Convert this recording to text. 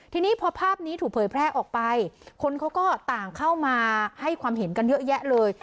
ทีนี้พอภาพนี้ถูกเผยแพร่ออกไปคนเขาก็ต่างเข้ามาให้ความเห็นกันเยอะแยะเลย